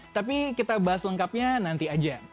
tapi kita bahas lengkapnya nanti aja